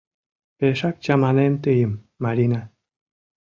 — Пешак чаманем тыйым, Марина...